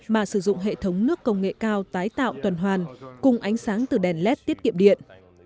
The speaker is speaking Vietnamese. mà sử dụng hệ thống nước công nghệ cao tái tạo tuần hoàn cùng ánh sáng từ đèn led tiết kiệm điện